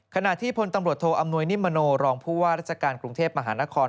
ขณะที่พลตำรวจโทอำนวยนิมโนรองผู้ว่าราชการกรุงเทพมหานคร